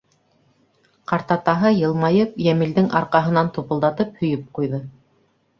Ҡартатаһы, йылмайып, Йәмилдең арҡаһынан тупылдатып һөйөп ҡуйҙы.